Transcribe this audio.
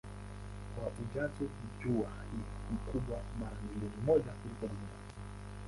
Kwa ujazo Jua ni kubwa mara milioni moja kuliko Dunia.